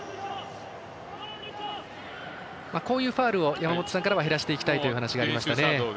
こういうファウルを山本さんからは減らしていきたいと話がありました。